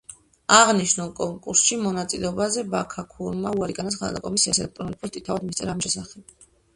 აღნიშნულ კონკურსში მონაწილეობაზე ბაქაქურმა უარი განაცხადა და კომისიას ელექტრონული ფოსტით თავად მისწერა ამის შესახებ.